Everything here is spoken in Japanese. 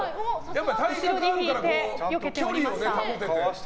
後ろに引いてよけておりました。